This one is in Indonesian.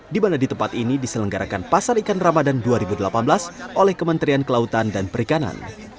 di mana di tempat ini diselenggarakan pasar ikan ramadan dua ribu delapan belas oleh kementerian kelautan dan perikanan